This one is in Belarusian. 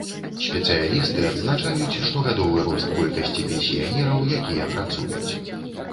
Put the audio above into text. Спецыялісты адзначаюць штогадовы рост колькасці пенсіянераў, якія працуюць.